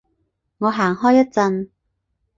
我行開一陣